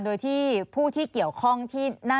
สวัสดีครับ